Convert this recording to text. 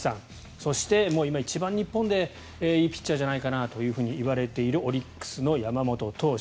そして今、日本で一番いいピッチャーじゃないかなと言われているオリックスの山本投手。